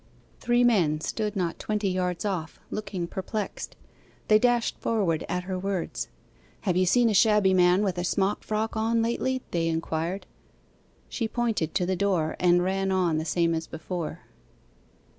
Three men stood not twenty yards off, looking perplexed. They dashed forward at her words. 'Have you seen a shabby man with a smock frock on lately?' they inquired. She pointed to the door, and ran on the same as before.